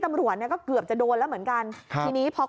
เฝ้าเครื่องสดน้ำ